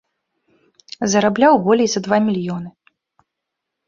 Зарабляў болей за два мільёны.